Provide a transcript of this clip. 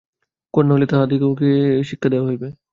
তাহা হইলে প্রতাপাদিত্যকে ও তাঁহার কন্যাকে বিলক্ষণ শিক্ষা দেওয়া হইবে।